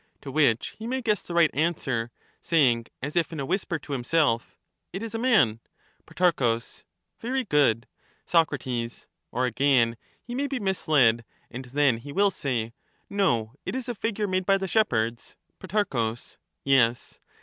To which he may guess the right answer, saying as if in a whisper to himself—' It is a man.' Pro. Very good. Soc. Or again, he may be misled, and then he will say —' No, it is a figure made by the shepherds.' Pro. Yes.